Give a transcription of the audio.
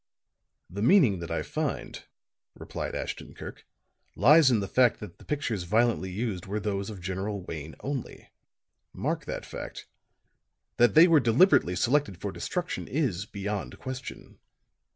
"The meaning that I find," replied Ashton Kirk, "lies in the fact that the pictures violently used were those of General Wayne only. Mark that fact. That they were deliberately selected for destruction is beyond question."